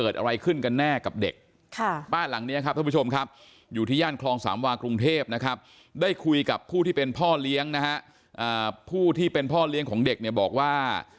ได้คุยกับผู้ที่เป็นพ่อเลี้ยงนะฮะผู้ที่เป็นพ่อเลี้ยงของเด็กเนี่ยบอกว่า